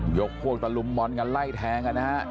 หยกโครกตะลุมมอร์นกันไล่แทงนะฮะ